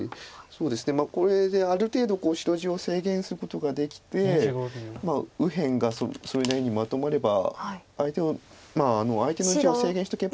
これである程度白地を制限することができて右辺がそれなりにまとまれば相手を相手の地を制限しとけば。